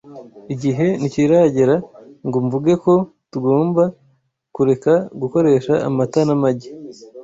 Igihe ntikiragera ngo mvuge ko tugomba kureka gukoresha amata n’amagi